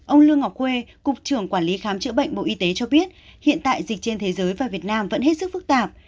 ông lương ngọc huê cục trưởng quản lý khám chữa bệnh bộ y tế cho biết hiện tại dịch trên thế giới và việt nam vẫn hết sức phức tạp